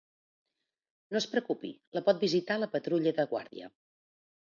No es preocupi, la pot visitar la patrulla de guàrdia.